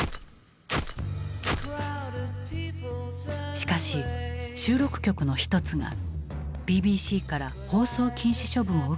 しかし収録曲の一つがＢＢＣから放送禁止処分を受けてしまう。